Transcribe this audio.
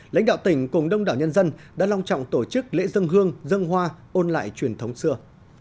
lãnh đạo tỉnh cùng đông đảo nhân dân đã long trọng tổ chức lễ dân hương dân hoa ôn lại truyền thống xưa